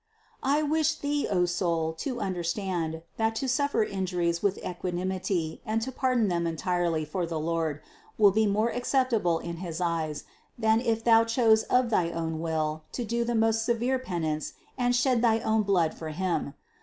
711. I wish thee, O soul, to understand, that to suffer injuries with equanimity and to pardon them entirely for the Lord, will be more acceptable in his eyes, than if thou choose of thy own will to do the most severe penance and shed thy own blood for Him.